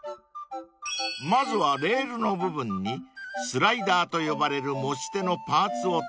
［まずはレールの部分にスライダーと呼ばれる持ち手のパーツを通します］